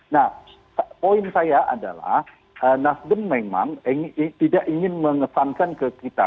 nah poin saya adalah nasdem memang tidak ingin mengesankan ke kita